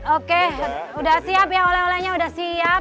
oke sudah siap ya oleh olehnya udah siap